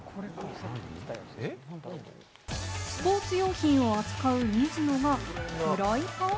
スポーツ用品を扱うミズノがフライパン？